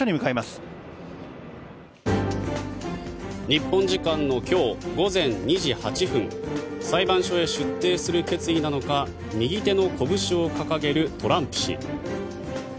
日本時間の今日午前２時８分裁判所へ出廷する決意なのか右手のこぶしを掲げるトランプ氏。